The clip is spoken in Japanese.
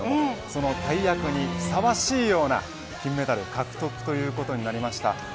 その大役にふさわしいような金メダル獲得ということになりました。